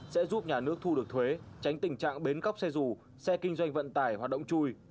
sẽ giúp nhà nước thu được thuế tránh tình trạng bến cóc xe dù xe kinh doanh vận tải hoạt động chui